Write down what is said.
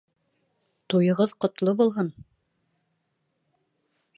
Туйығыҙ ҡотло булһын!